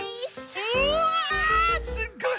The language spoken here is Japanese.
うわすっごい！